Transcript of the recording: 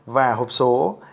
và hộp số